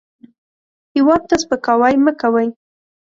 هېواد ته سپکاوی مه کوئ